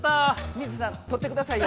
水田さん取ってくださいよ。